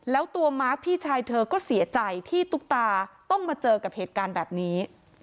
แล้วตัวมาร์คพี่ชายเธอก็เสียใจที่ตุ๊กตาต้องมาเจอกับเหตุการณ์แบบนี้